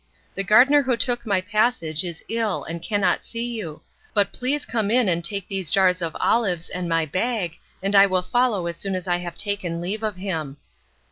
"The gardener who took my passage is ill and cannot see you, but please come in and take these jars of olives and my bag, and I will follow as soon as I have taken leave of him."